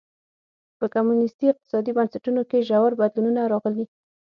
په کمونېستي اقتصادي بنسټونو کې ژور بدلونونه راغلي.